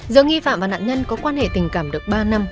giữa nghi phạm và nạn nhân có quan hệ tình cảm được ba năm